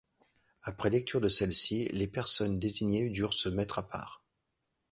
Après lecture de celle-ci, les personnes désignées durent se mettre a part.